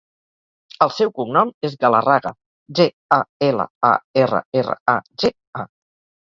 El seu cognom és Galarraga: ge, a, ela, a, erra, erra, a, ge, a.